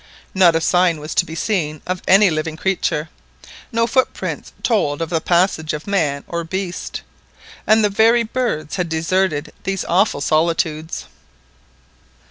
Not a sign was to be seen of any living creature, no footprints told of the passage of man or beast, and the very birds had deserted these awful solitudes.